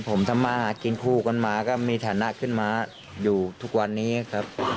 ผมทำมาหากินคู่กันมาก็มีฐานะขึ้นมาอยู่ทุกวันนี้ครับ